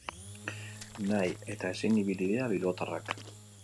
Nahi eta ezin ibili dira bilbotarrak.